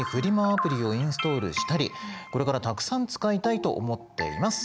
アプリをインストールしたりこれからたくさん使いたいと思っています。